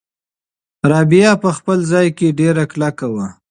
رابعه په خپل ځای کې ډېره کلکه وه.